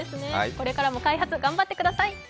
これからも開発頑張ってください。